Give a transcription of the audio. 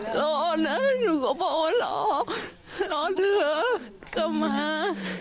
รอนะหนูก็บอกว่ารอรอเธอกลับมา